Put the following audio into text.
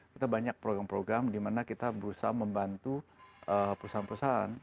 kita banyak program program di mana kita berusaha membantu perusahaan perusahaan